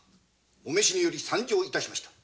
お召しにより参上致しました。